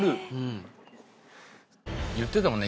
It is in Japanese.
言ってたもんね